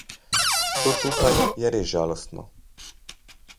To tukaj je res žalostno.